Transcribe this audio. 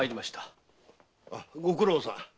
ご苦労さん。